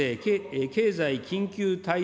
経済緊急対応